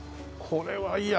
これはいいや。